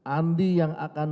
andi yang akan